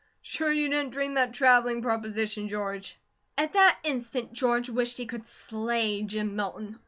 Sure you didn't dream that travelling proposition, George?" At that instant George wished he could slay Jim Milton.